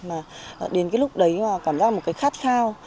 mà đến cái lúc đấy mà cảm giác một cái khát khao